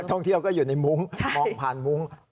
ท่องเที่ยวก็อยู่ในมุ้งมองผ่านมุ้ง